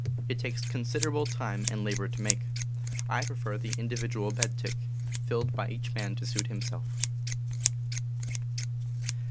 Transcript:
It takes considerable time and labor to make. I prefer the individual bed tick, filled by each man to suit himself.